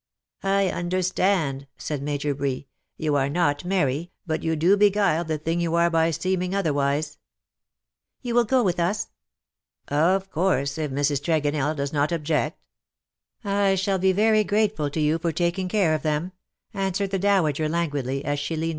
" I understand," said Major Bree ;'' 'you are not merry, but you do beguile the thing you are by seeming otherwise.^ "" You will go with us ?"" Of course, if Mrs. Tregonell does not object." " I shall be very grateful to you for taking care of them/^ answered the dowager languidly, as she 212 CUPID AND PSYCHE.